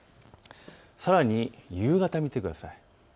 さらに夕方を見てください。